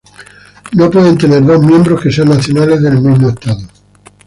No puede tener dos miembros que sean nacionales del mismo Estado.